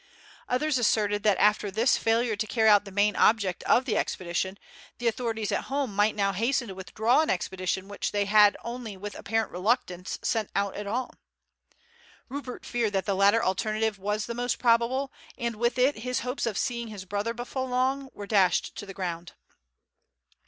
Others asserted that after this failure to carry out the main object of the expedition, the authorities at home might now hasten to withdraw an expedition which they had only with apparent reluctance sent out at all. Rupert feared that the latter alternative was the most probable, and with it his hopes of seeing his brother before long were dashed to the ground.